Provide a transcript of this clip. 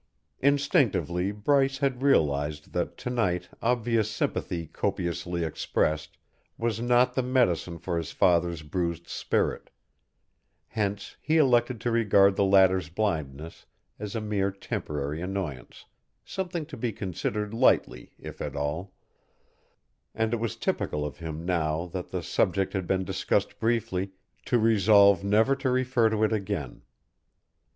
Instinctively Bryce had realized that to night obvious sympathy copiously expressed was not the medicine for his father's bruised spirit; hence he elected to regard the latter's blindness as a mere temporary annoyance, something to be considered lightly, if at all; and it was typical of him now that the subject had been discussed briefly, to resolve never to refer to it again.